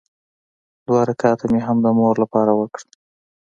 دوه رکعته مې هم د مور لپاره وکړل.